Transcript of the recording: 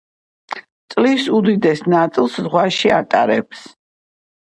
წლის უდიდეს ნაწილს ზღვაში ატარებს.